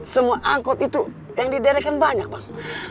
semua angkot itu yang diderekan banyak bang